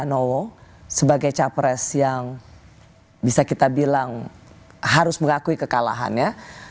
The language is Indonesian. dan mbak novo sebagai capres yang bisa kita bilang harus mengakui kekalahannya